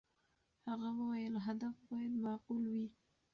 هغه وویل، هدف باید معقول وي.